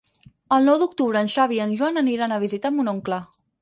El nou d'octubre en Xavi i en Joan aniran a visitar mon oncle.